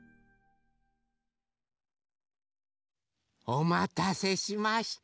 おまたせしました。